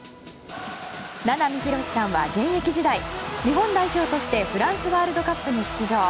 名波浩さんは現役時代日本代表としてフランスワールドカップに出場。